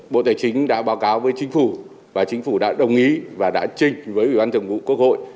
bộ tài chính đã báo cáo với chính phủ và chính phủ đã đồng ý và đã trình với ủy ban thường vụ quốc hội